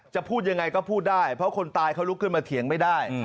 พูดยังไงก็พูดได้เพราะคนตายเขาลุกขึ้นมาเถียงไม่ได้